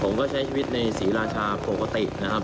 ผมก็ใช้ชีวิตในศรีราชาปกตินะครับ